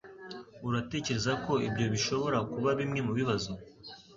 Uratekereza ko ibyo bishobora kuba bimwe mubibazo?